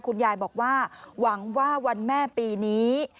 คุณยายบอกว่าหวังว่าวันแม่ปีนี้